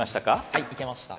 はいいけました。